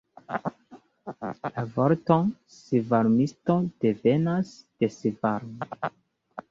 La vorto svarmisto devenas de svarmi.